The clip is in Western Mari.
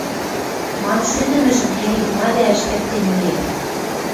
Мам шӱдӹмӹжӹм керек-ма дӓ ӹштӹктен миэн.